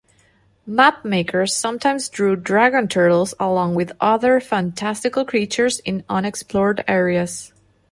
Mapmakers sometimes drew dragon turtles along with other fantastical creatures in unexplored areas.